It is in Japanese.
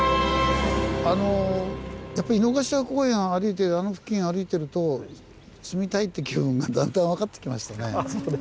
やっぱ井の頭公園を歩いてあの付近歩いてると住みたいって気分がだんだん分かってきましたね。